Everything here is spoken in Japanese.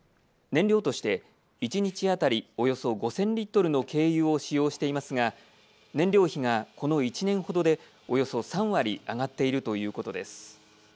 燃料として一日当たりおよそ５０００リットルの軽油を使用していますが燃料費がこの１年ほどでおよそ３割上がっているということです。